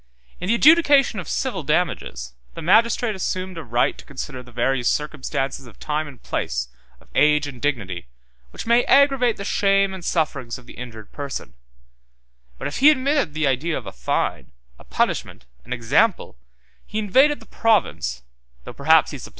In the adjudication of civil damages, the magistrate assumed a right to consider the various circumstances of time and place, of age and dignity, which may aggravate the shame and sufferings of the injured person; but if he admitted the idea of a fine, a punishment, an example, he invaded the province, though, perhaps, he supplied the defects, of the criminal law.